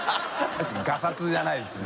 確かにガサツじゃないですね。